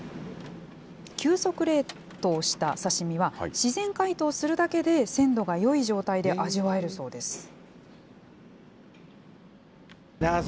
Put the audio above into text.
急速冷凍した刺身は、自然解凍するだけで鮮度がよい状態で味わえるそうです。